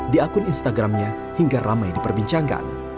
di akun instagramnya hingga ramai diperbincangkan